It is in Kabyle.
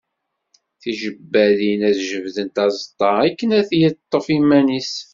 Tijebbadin, ad jebdent aẓeṭṭa akken ad yeṭṭef iman-is.